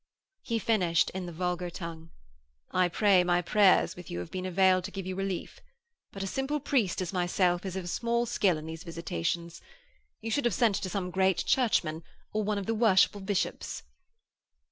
He finished in the vulgar tongue. 'I pray my prayers with you may have availed to give you relief. But a simple priest as myself is of small skill in these visitations. You should have sent to some great Churchman or one of the worshipful bishops.'